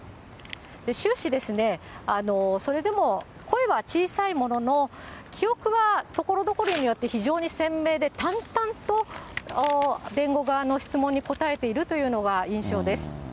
終始、それでも声は小さいものの、記憶はところどころによって、非常に鮮明で、淡々と弁護側の質問に答えているというのが印象です。